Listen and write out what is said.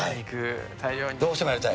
どうしてもやりたい？